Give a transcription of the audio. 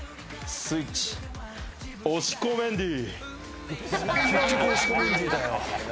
スイッチ押し込メンディー。